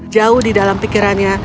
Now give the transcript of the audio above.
jauh di dalam pikirannya